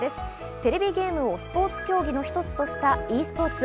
テレビゲームをスポーツ競技の一つとしたｅスポーツ。